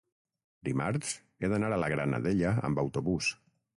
dimarts he d'anar a la Granadella amb autobús.